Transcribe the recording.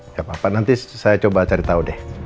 nggak apa apa nanti saya coba cari tahu deh